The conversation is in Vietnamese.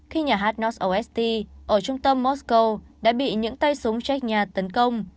khi nhà hát north ost ở trung tâm moscow đã bị những tay súng trách nhà tấn công